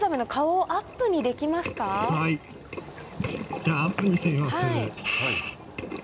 じゃあアップにしてみます。